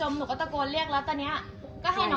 แม่ก็ติดต่อไม่ได้